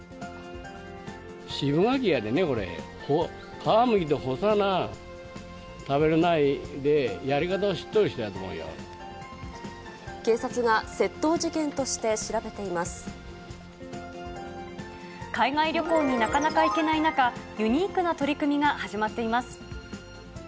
渋柿だでね、これ、皮むいて干さな、食べれないで、警察が窃盗事件として調べて海外旅行になかなか行けない中、ユニークな取り組みが始まっています。